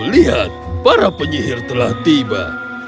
lihat para penyihir telah tiba